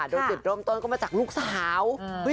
โดยจุดเริ่มต้นก็มาจากลูกสาว